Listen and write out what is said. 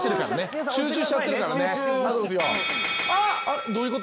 あっどういうこと？